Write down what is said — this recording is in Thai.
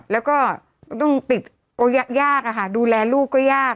แล้วก็ต้องติดยากดูแลลูกก็ยาก